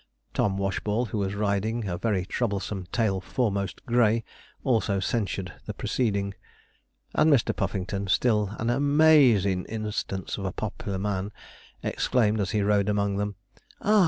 Tom Washball, who was riding a very troublesome tail foremost grey, also censured the proceeding. And Mr. Puffington, still an 'am_aa_izin' instance of a pop'lar man,' exclaimed, as he rode among them, 'Ah!